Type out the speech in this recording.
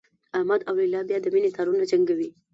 احمد او لیلا بیا د مینې تارونه جنګوي.